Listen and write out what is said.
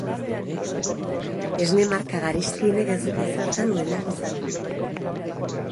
Esne marka garestienek ez dute zertan onenak izanik.